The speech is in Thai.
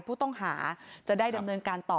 ผู้ต้องหาจะได้ดำเนินการต่อ